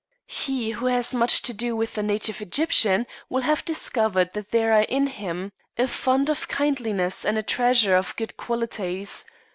He who has much to do with the native Egyptian will have discovered that there are in him a fund of kindliness and a treasure of good qualities.